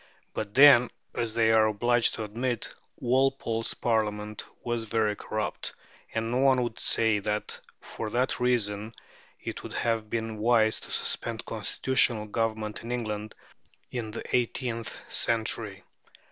But then, as they are obliged to admit, Walpole's Parliament was very corrupt, and no one would say that for that reason it would have been wise to suspend constitutional government in England in the eighteenth century.